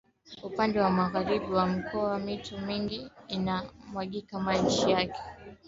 Upande wa magharibi wa mkoa mito mingi ina mwaga maji yake